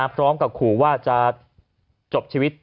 พร้อมกับขู่ว่าจะจบชีวิต